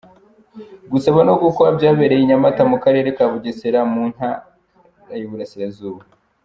Gusaba no gukwa byabereye i Nyamata mu karere ka Bugesera mu Nta y’Iburasirazuba.